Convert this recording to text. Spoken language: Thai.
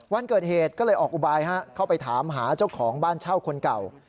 วันเกิดเหตุก็เลยออกอุบายเข้าไปถามหาเจ้าของบ้านเช่าคนเก่า